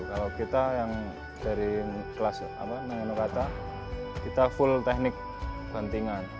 kalau kita yang dari kelas nengenok kata kita full teknik bantingan